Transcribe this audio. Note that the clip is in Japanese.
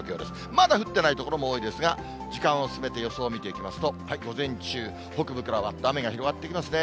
まだ降ってない所も多いですが、時間を進めて予想を見ていきますと、午前中、北部からわーっと雨が広がってきますね。